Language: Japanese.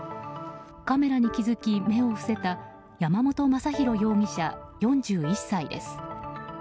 カメラに気づき目を伏せた山本将寛容疑者、４１歳です。